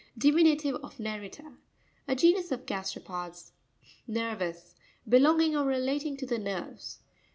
Diminutive of Nerita. A genus of gasteropods (page 51). Nerv'ous.—Belonging or relating to the nerves.